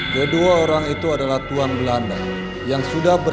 mereka bersifat bersepah natale dan ke arahmdk nagn hast rel bonusar